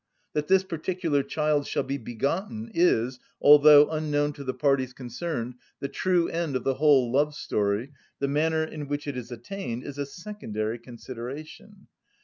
That this particular child shall be begotten is, although unknown to the parties concerned, the true end of the whole love story; the manner in which it is attained is a secondary consideration.